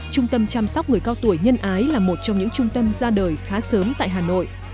trung tâm chăm sóc người cao tuổi nhân ái là một trong những trung tâm ra đời khá sớm tại hà nội